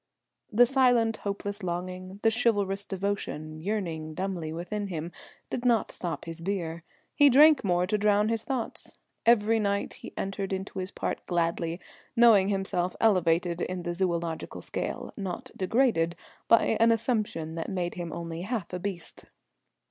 The silent, hopeless longing, the chivalrous devotion yearning dumbly within him, did not stop his beer; he drank more to drown his thoughts. Every night he entered into his part gladly, knowing himself elevated in the zoological scale, not degraded, by an assumption that made him only half a beast.